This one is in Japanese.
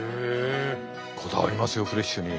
こだわりますよフレッシュに。